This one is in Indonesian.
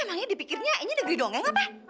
emangnya dipikirnya ini negeri dongeng apa